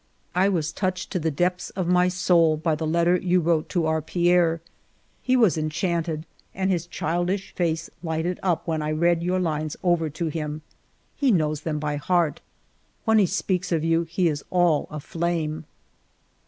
..." I was touched to the depths of my soul by the letter you wrote to our Pierre. He was enchanted, and his childish face lighted up when I read your lines over to him ; he knows them by heart. When he speaks of you, he is all aflame."